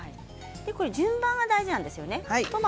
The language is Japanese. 順番が大事なんですよね。